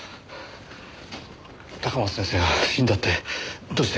高松先生が死んだってどうして？